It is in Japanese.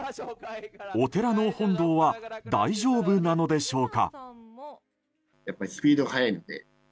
お寺の本堂は大丈夫なのでしょうか？